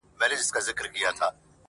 هر گړی ځانته د امن لوری گوري-